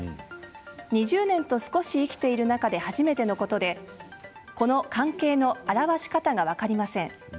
２０年と少し生きている中で初めてのことでこの関係の表し方は分かりません